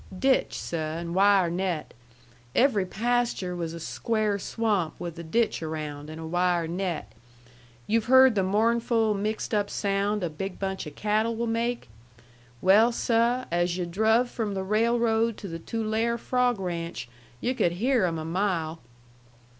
"Ditch, seh, and wire net. Every pasture was a square swamp with a ditch around, and a wire net. Yu've heard the mournful, mixed up sound a big bunch of cattle will make? Well, seh, as yu' druv from the railroad to the Tulare frawg ranch yu' could hear 'em a mile.